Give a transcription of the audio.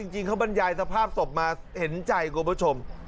จริงเขาบรรยายสภาพศพมาเห็นใจคุณผู้ชม